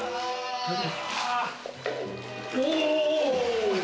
お。